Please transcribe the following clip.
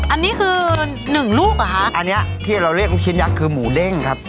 อันนี้คือหนึ่งลูกเหรอคะอันเนี้ยที่เราเรียกลูกชิ้นยักษ์คือหมูเด้งครับ